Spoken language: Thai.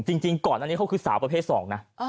จริงก่อนอันนี้เขาคือสาวประเภท๒นะ